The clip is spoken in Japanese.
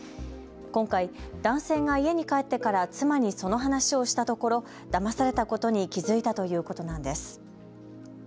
今回、男性が家に帰ってから妻にその話をしたところだまされたことに気付いたということなんです。